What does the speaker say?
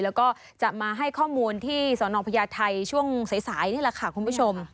แล้วก็จะมาให้ข้อมูลที่สนพญาไทยช่วงสายนี่แหละค่ะคุณผู้ชม